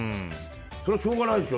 それはしょうがないでしょ。